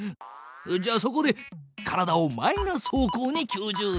じゃあそこで体をマイナス方向に９０度回転！